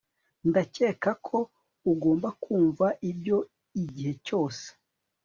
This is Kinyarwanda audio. Ndakeka ko ugomba kumva ibyo igihe cyose